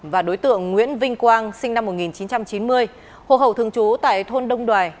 và đối tượng nguyễn vinh quang sinh năm một nghìn chín trăm chín mươi hồ hậu thường trú tại thôn đông đoài